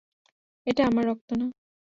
এটা আমার রক্ত না!